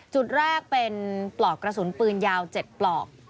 จุดแรกเป็นปลอกกระสุนปืนยาว๗ปลอก